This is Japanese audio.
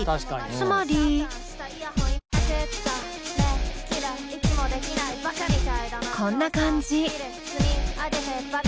つまり。こんな感じ。